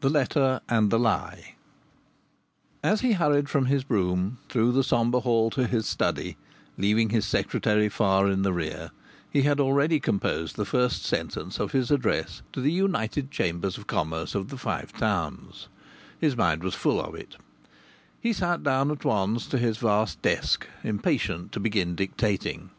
THE LETTER AND THE LIE I As he hurried from his brougham through the sombre hall to his study, leaving his secretary far in the rear, he had already composed the first sentence of his address to the United Chambers of Commerce of the Five Towns; his mind was full of it; he sat down at once to his vast desk, impatient to begin dictating.